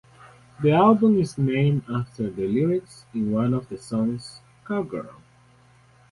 The album is named after the lyrics in one of the songs, "Cowgirl".